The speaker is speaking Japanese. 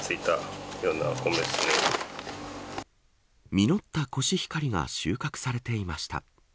実ったコシヒカリが収穫されていました。